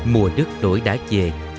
mùa nước nổi đã về